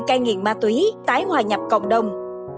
cai nghiện ma túy tái hòa nhập cộng đồng